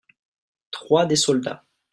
Trois des soldats.